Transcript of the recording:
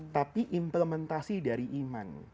tapi implementasi dari iman